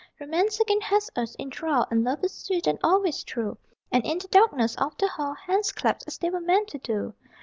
Romance again hath us in thrall And Love is sweet and always true, And in the darkness of the hall Hands clasp as they were meant to do.